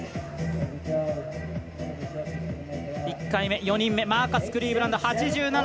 １回目、４人目マーカス・クリーブランド８７．７５。